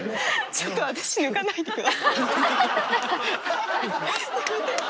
ちょっと私抜かないで下さい。